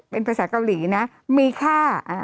เป็นภาษาเกาหลีนะมีค่า